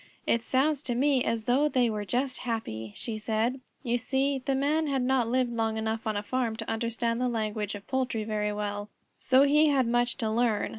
"It sounds to me as though they were just happy," she said. You see the Man had not lived long enough on a farm to understand the language of poultry very well, so he had much to learn.